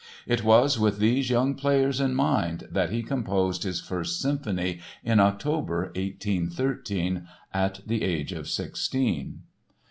It was with these young players in mind that he composed his First Symphony in October, 1813, at the age of sixteen.